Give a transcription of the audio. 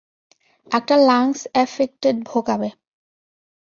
একটা lungs affected, ভোগাবে।